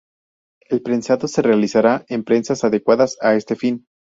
El prensado se realizará en prensas adecuadas a este fin.